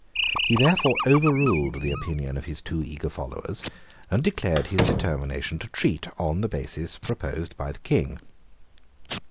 He therefore overruled the opinion of his too eager followers, and declared his determination to treat on the basis proposed by the King.